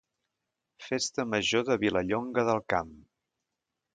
Festa Major de Vilallonga del Camp